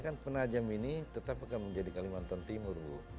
jadi penajam ini tetap akan menjadi kalimantan timur